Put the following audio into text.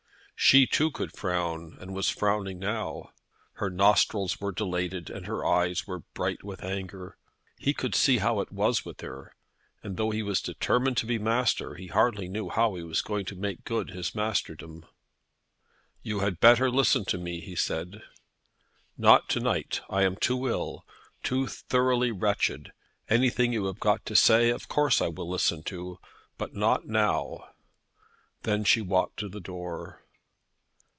She, too, could frown, and was frowning now. Her nostrils were dilated, and her eyes were bright with anger. He could see how it was with her; and though he was determined to be master, he hardly knew how he was to make good his masterdom. "You had better listen to me," he said. "Not to night. I am too ill, too thoroughly wretched. Anything you have got to say of course I will listen to, but not now." Then she walked to the door.